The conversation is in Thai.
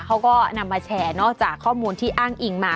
เขาก็นำมาแชร์นอกจากข้อมูลที่อ้างอิงมา